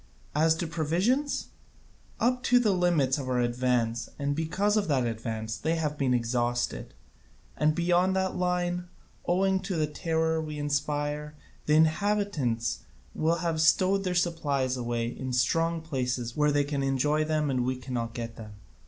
As to provisions, up to the limits of our advance and because of that advance they have been exhausted; and beyond that line, owing to the terror we inspire, the inhabitants will have stowed their supplies away in strong places where they can enjoy them and we cannot get them.